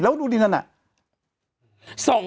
แล้วดูดินั้น